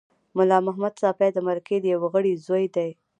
ملا محمد ساپي د مرکې د یوه غړي زوی دی.